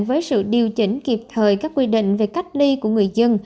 với sự điều chỉnh kịp thời các quy định về cách ly của người dân